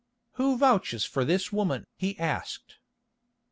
"Who vouches for this woman?" he asked.